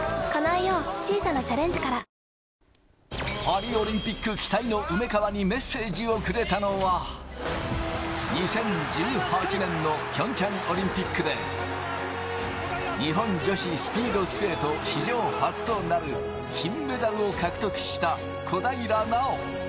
パリオリンピック期待の梅川にメッセージをくれたのは、２０１８年のピョンチャンオリンピックで、日本女子スピードスケート史上初となる金メダルを獲得した小平奈緒。